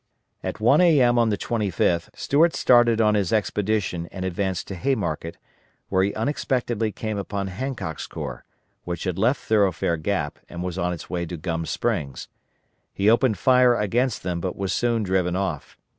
At 1 A.M. on the 25th, Stuart started on his expedition and advanced to Haymarket, where he unexpectedly came upon Hancock's corps, which had left Thoroughfare Gap, and was on its way to Gum Springs. He opened fire against them but was soon driven off.